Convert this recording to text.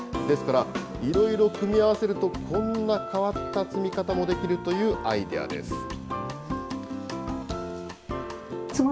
ですから、いろいろ組み合わせると、こんな変わった積み方もできるというアイデアです。